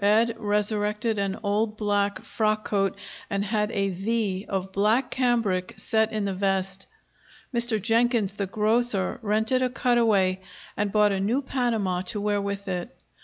Ed resurrected an old black frock coat and had a "V" of black cambric set in the vest. Mr. Jenkins, the grocer, rented a cutaway, and bought a new Panama to wear with it.